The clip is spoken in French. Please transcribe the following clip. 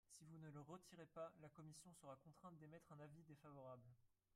Si vous ne le retirez pas, la commission sera contrainte d’émettre un avis défavorable.